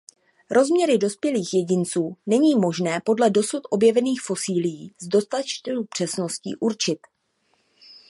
Rozměry dospělých jedinců není možné podle dosud objevených fosilií s dostatečnou přesností určit.